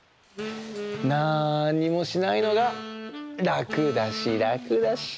なんにもしないのがらくだしらくだし。